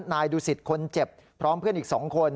นายดูสิตคนเจ็บพร้อมเพื่อนอีก๒คน